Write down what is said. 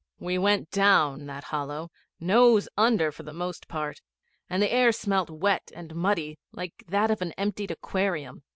We went down that hollow, nose under for the most part, and the air smelt wet and muddy, like that of an emptied aquarium.